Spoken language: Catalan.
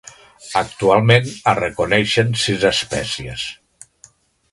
Actualment es reconeixen sis espècies.